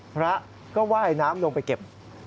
พระก็ไหว้แนมลงไปเก็บ